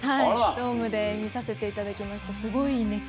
ドームで見させていただきました。